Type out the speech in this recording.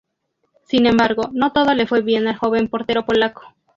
Sin embargo, no todo le fue bien al joven portero polaco.